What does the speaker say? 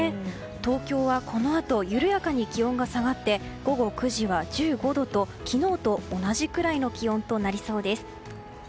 東京はこのあと緩やかに気温が下がって午後９時は１５度と昨日と同じくらいの気温となりそうです。